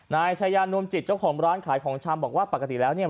นายชายานวมจิตเจ้าของร้านขายของชำบอกว่าปกติแล้วเนี่ย